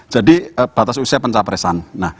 jadi batas usia pencapresan